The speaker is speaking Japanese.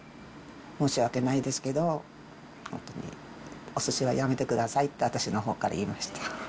申し訳ないですけど、本当におすしはやめてくださいって私のほうから言いました。